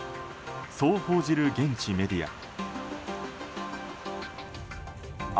そう報じる現地メディア。